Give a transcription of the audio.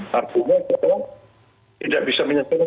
hargumnya itu tidak bisa menyelesaikan